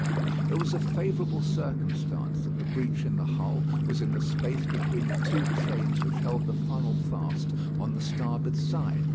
It was a favourable circumstance that the breach in the hull was in the space between the two chains which held the funnel fast on the starboard side.